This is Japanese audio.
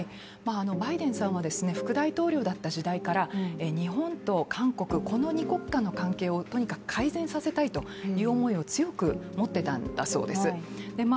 バイデンさんは、副大統領だった時代から日本と韓国、この２国間の関係をとにかく改善させたいという思いを強く持っていたんだそうなんです。